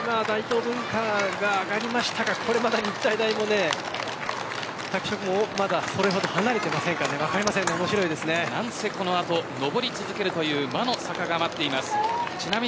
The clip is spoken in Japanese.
今、大東文化が上がりましたがこれまた日体大も拓殖もまだそれほど離れていませんからなんせこの後、上り続けるという魔の坂が待っています。